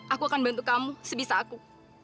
aku akan bantu kamu sebisa aku